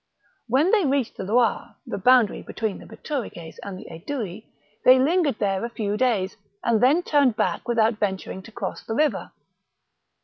When they reached the Loire — the boundary between the Bituriges and the Aedui — they lingered there a few days, and then turned back without venturing to cross the river.